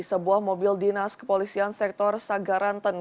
sebuah mobil dinas kepolisian sektor sagaranten